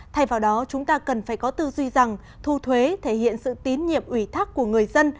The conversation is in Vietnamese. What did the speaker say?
thay vào đó chúng ta cần phải có tư duy rằng thu thuế thể hiện sự tín nhiệm ủy thác của người dân